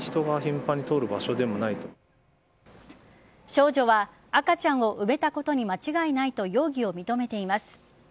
少女は赤ちゃんを埋めたことに間違いないと容疑を認めています。